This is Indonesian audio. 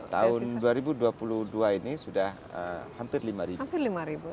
tahun dua ribu dua puluh dua ini sudah hampir lima ribu